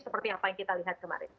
seperti apa yang kita lihat kemarin